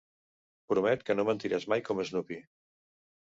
Promet que no mentiràs mai com Snoopy.